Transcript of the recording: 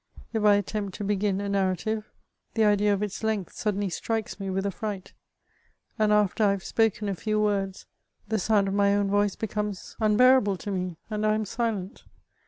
If 1 attempt to begin a narrative, the idea of its length suddenly strikes me with affright, and after I have spoken a few words, the sound of my own voice becomes unbearable to me, and I am silent.